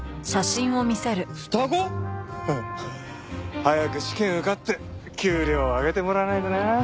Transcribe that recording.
早く試験受かって給料上げてもらわないとね。